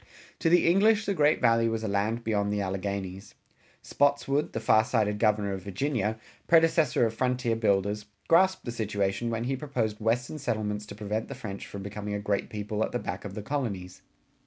To the English the great Valley was a land beyond the Alleghanies. Spotswood, the far sighted Governor of Virginia, predecessor of frontier builders, grasped the situation when he proposed western settlements to prevent the French from becoming a great people at the back of the colonies.